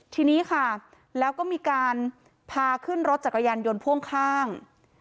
ทีนี้ค่ะแล้วก็มีการพาขึ้นรถจักรยานยนต์พ่วงข้าง